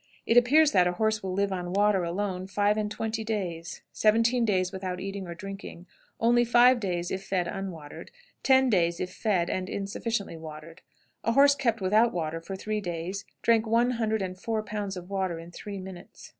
It appears that a horse will live on water alone five and twenty days; seventeen days without eating or drinking; only five days if fed and unwatered; ten days if fed and insufficiently watered. A horse kept without water for three days drank one hundred and four pounds of water in three minutes.